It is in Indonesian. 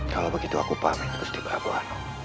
kalau begitu aku pamit kusti prabu anu